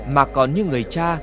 mà còn như người cha